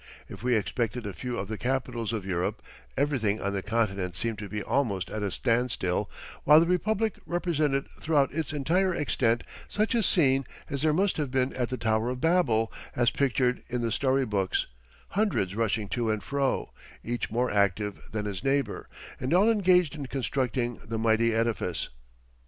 If we excepted a few of the capitals of Europe, everything on the Continent seemed to be almost at a standstill, while the Republic represented throughout its entire extent such a scene as there must have been at the Tower of Babel, as pictured in the story books hundreds rushing to and fro, each more active than his neighbor, and all engaged in constructing the mighty edifice.